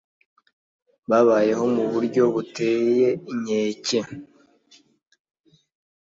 babayeho mu buryo buteye inkeke